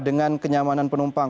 dengan kenyamanan penumpang